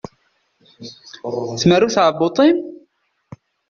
Tmerru tɛebbuḍt-im?